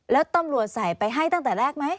แล้วตำรวจใส่ไปให้ตั้งแต่แรกไหม